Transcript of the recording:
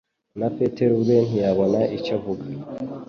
Na Petero ubwe ntiyabona icyo avuga.